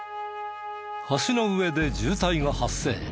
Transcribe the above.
橋の上で渋滞が発生。